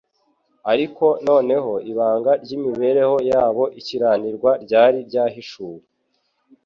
ariko noneho ibanga ry'imibereho yabo ikiranirwa ryari ryahishuwe.